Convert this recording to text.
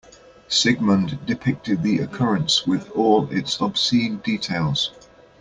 Sigmund depicted the occurrence with all its obscene details.